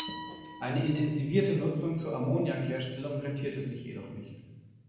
Eine intensivierte Nutzung zur Ammoniak-Herstellung rentierte sich jedoch nicht.